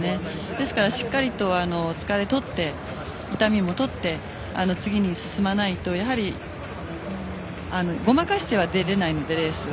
ですからしっかりと疲れをとって痛みをとって次に進まないと、ごまかしてレースは出られないので。